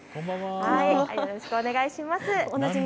よろしくお願いします。